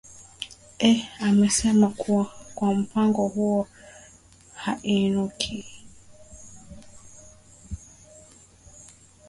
e anasema kuwa mpango huo haunuwii